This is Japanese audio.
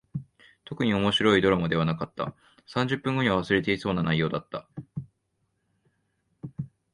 特に面白いドラマではなかった。三十分後には忘れていそうな内容だった。